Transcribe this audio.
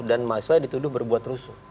dan mahasiswa dituduh berbuat rusuh